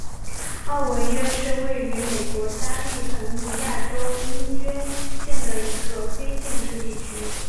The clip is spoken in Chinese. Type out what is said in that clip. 奥文约是位于美国加利福尼亚州因约县的一个非建制地区。